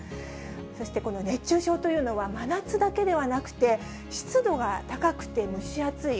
そして熱中症というのは、真夏だけではなくて、湿度が高くて蒸し暑い